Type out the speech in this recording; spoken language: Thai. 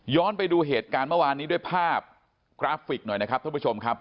ไปดูเหตุการณ์เมื่อวานนี้ด้วยภาพกราฟิกหน่อยนะครับท่านผู้ชมครับ